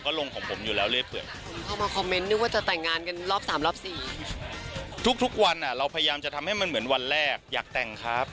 ก็ถอดเที่ยวเล็บของเราแล้วครับ